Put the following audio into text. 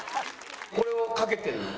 これをかけてるの？